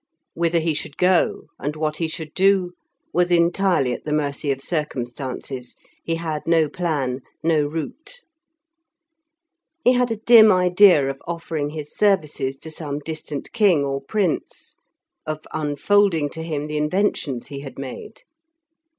Whither he should go, and what he should do, was entirely at the mercy of circumstances. He had no plan, no route. He had a dim idea of offering his services to some distant king or prince, of unfolding to him the inventions he had made.